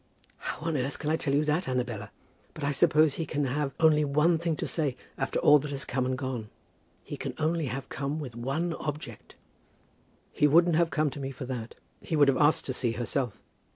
"How on earth can I tell you that, Annabella? But I suppose he can have only one thing to say after all that has come and gone. He can only have come with one object." "He wouldn't have come to me for that. He would have asked to see herself."